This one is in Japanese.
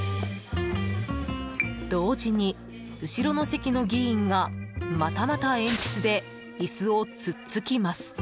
同時に、後ろの席の議員がまたまた鉛筆で椅子を突っつきます。